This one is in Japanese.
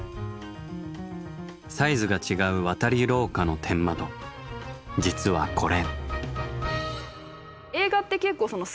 サイズが違う渡り廊下の天窓実はこれ。